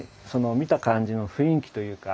見た感じの雰囲気というか。